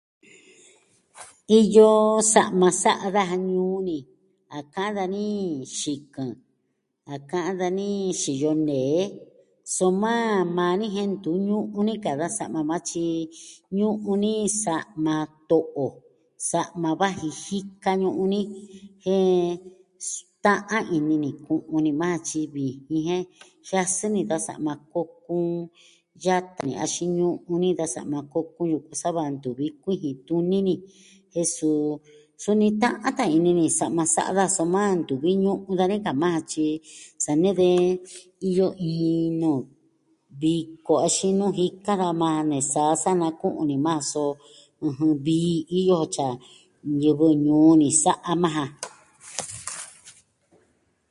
Iyo, sa'ma sa'a daja ñuu ni. A ka'an dani xikɨn. A ka'an dani xiyo nee. Soma, maa ni jen ntu ñu'un ni ka da sa'ma maa tyi, ñu'un ni sa'ma to'o. Sa'ma vaji jika ñu'un ni, jen s... ta'an ini ni ku'u ni maa tyi vijin jen jiasɨɨ ni da sa'ma kokun. yatin axin ñu'un ni da sa'ma kokun yuku sava ntuvi kuijin tuni ni. Jen suu suni ta'an tan ini ni sa'ma sa'a daja soma ntuvi ñu'un dani ka maa ja tyi, sa nee de iyo iin nuu... viko, axin nuu jika da maa nee saa sa naku'un ni maa, so... ɨjɨn... vii iyo tyi a ñivɨ ñuu ni sa'a maa ja.